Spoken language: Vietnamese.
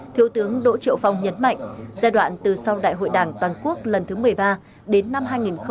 thiếu tướng đỗ triệu phong nhấn mạnh giai đoạn từ sau đại hội đảng toàn quốc lần thứ một mươi ba đến năm hai nghìn hai mươi